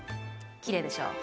きれいでしょう？